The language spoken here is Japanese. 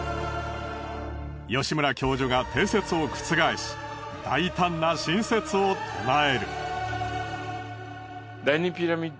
吉村教授が定説を覆し大胆な新説を唱える。